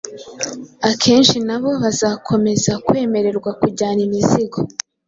akenhi nabo bazakomeza kwemererwa kujyana imizigo